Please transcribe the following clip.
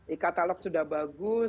e katalog sudah bagus